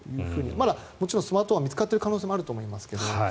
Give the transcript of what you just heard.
まだもちろんスマートフォンが見つかっている可能性はあると思いますが。